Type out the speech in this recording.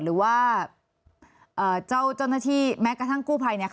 หรือว่าเจ้าหน้าที่แม้กระทั่งกู้ภัย